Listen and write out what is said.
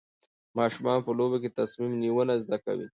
ماشومان په لوبو کې تصمیم نیونه زده کوي.